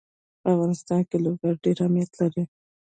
په افغانستان کې لوگر ډېر اهمیت لري.